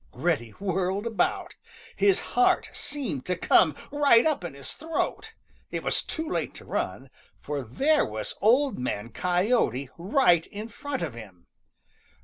Reddy whirled about. His heart seemed to come right up in his throat. It was too late to run, for there was Old Man Coyote right in front of him.